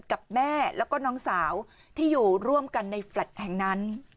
กับแม่แล้วก็น้องสาวที่อยู่ร่วมกันในแฟลต์แห่งนั้น